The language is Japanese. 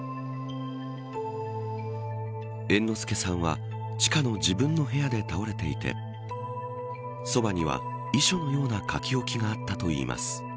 猿之助さんは地下の自分の部屋で倒れていてそばには遺書のような書き置きがあったといいます。